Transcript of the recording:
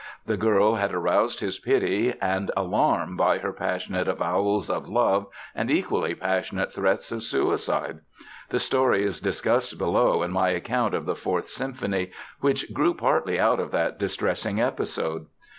The girl had aroused his pity and alarm by her passionate avowals of love and equally passionate threats of suicide. The story is discussed below in my account of the Fourth Symphony, which grew partly out of that distressing episode.